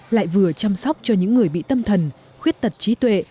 lại vừa chăm sóc cho những người bị tâm thần khuyết tật trí tuệ